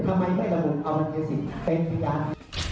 ทำไมไม่ระบุเอาที่สิทธิ์เป็นพยายาม